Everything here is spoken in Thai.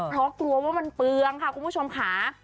เพราะกลัวว่ามันเปลืองค่ะคุณผู้ชมค่ะ